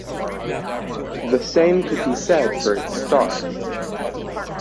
The same could be said for its star.